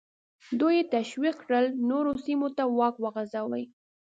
دوی یې تشویق کړل نورو سیمو ته واک وغځوي.